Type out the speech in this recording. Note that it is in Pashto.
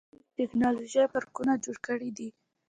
دوی د ټیکنالوژۍ پارکونه جوړ کړي دي.